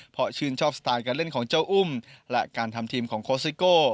เพราะชื่นชอบสไตล์การเล่นของเจ้าอุ้มและการทำทีมของโคสิโก้